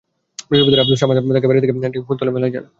বৃহস্পতিবার আবদুস সামাদ তাঁকে বাড়ি থেকে ডেকে নিয়ে ফুলতলার মেলায় যান।